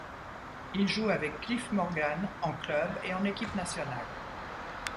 Il joue avec Cliff Morgan en club et en équipe nationale.